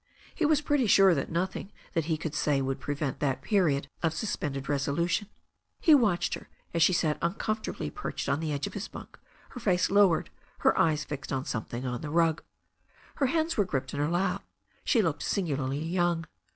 He was pretty sure that nothing that he could say would prevent that period of suspended resolution. He watched her as she sat uncomfortably perched on the edge of his bunk, her face lowered, her eyes fixed on some thing on the rug. Her hands were gripped in her lap. She looked singularly young.